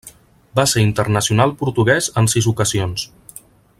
Va ser internacional portugués en sis ocasions.